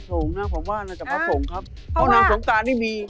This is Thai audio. ระวังนะเจ้าประสงคราญ